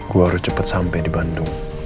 gue harus cepet sampe di bandung